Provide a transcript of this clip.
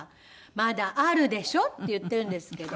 「まだあるでしょ？」って言ってるんですけど。